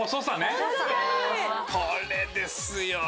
これですよ。